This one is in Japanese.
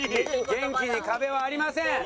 「元気に壁はありません」。